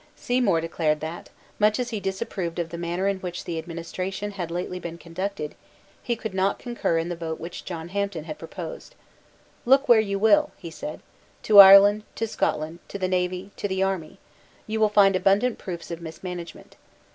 Seymour declared that, much as he disapproved of the manner in which the administration had lately been conducted, he could not concur in the vote which John Hampden had proposed. "Look where you will," he said, "to Ireland, to Scotland, to the navy, to the army, you will find abundant proofs of mismanagement.